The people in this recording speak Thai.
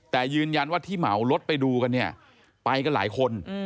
แต่ยืนยันว่าที่เหมารถไปดูกันเนี่ยไปกันหลายคน